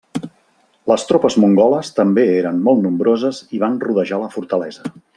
Les tropes mongoles també eren molt nombroses i van rodejar la fortalesa.